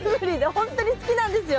ほんとに好きなんですよ。